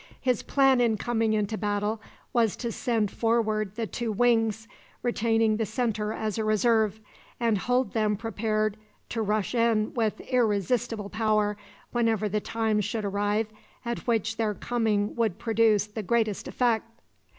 His plan in coming into battle was to send forward the two wings, retaining the centre as a reserve, and hold them prepared to rush in with irresistible power whenever the time should arrive at which their coming would produce the greatest effect.